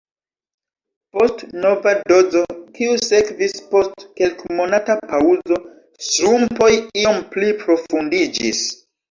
Post nova dozo, kiu sekvis post kelkmonata paŭzo, ŝrumpoj iom pli profundiĝis.